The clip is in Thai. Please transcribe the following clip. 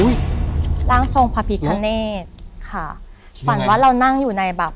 ร่างทรงพระพิคเนธค่ะฝันว่าเรานั่งอยู่ในแบบ